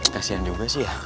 kasian juga sih ya